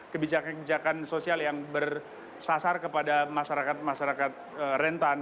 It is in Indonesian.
kebijakan kebijakan sosial yang bersasar kepada masyarakat masyarakat rentan